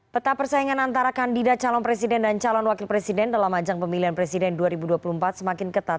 peta persaingan antara kandidat calon presiden dan calon wakil presiden dalam ajang pemilihan presiden dua ribu dua puluh empat semakin ketat